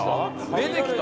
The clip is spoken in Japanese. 出てきた？